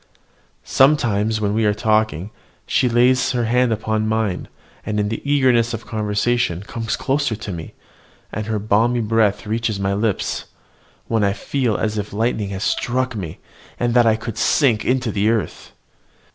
Sometimes when we are talking she lays her hand upon mine, and in the eagerness of conversation comes closer to me, and her balmy breath reaches my lips, when I feel as if lightning had struck me, and that I could sink into the earth.